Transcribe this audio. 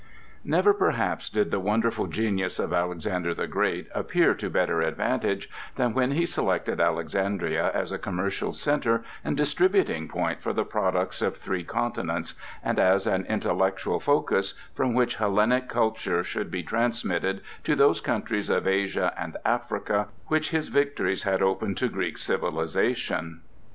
NEVER, perhaps, did the wonderful genius of Alexander the Great appear to better advantage than when he selected Alexandria as a commercial centre and distributing point for the products of three continents, and as an intellectual focus from which Hellenic culture should be transmitted to those countries of Asia and Africa which his victories had opened to Greek civilization.